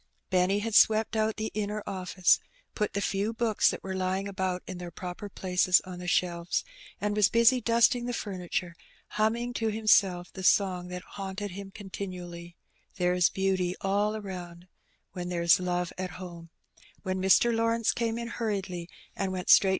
Benny had swept out the inner office, put the few books that were lying about in their proper places on the shelves, and was busy dusting the furniture, humming to himself the song that haunted him continually — "There is beauty all around, When there's love at home," when Mr. Lawrence came in hurriedly, and went straight A Teeeible Alteenative.